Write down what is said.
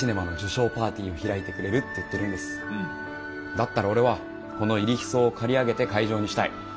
だったら俺はこの入日荘を借り上げて会場にしたい。